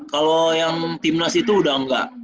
kalau yang timnas itu udah enggak